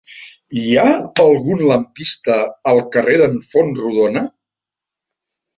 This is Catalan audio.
Hi ha algun lampista al carrer d'en Fontrodona?